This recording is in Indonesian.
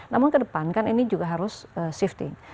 namun kedepan kan ini juga harus shifting